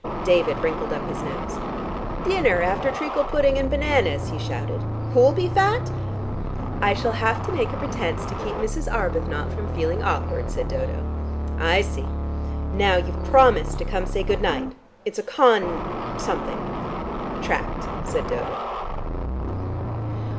David wrinkled up his nose. "Dinner after treacle pudding and bananas!" he shouted. "Who'll be fat?" "I shall have to make a pretence to keep Mrs. Arbuthnot from feeling awkward," said Dodo. "I see. Now you've promised to come to say good night? It's a con something." "Tract," said Dodo.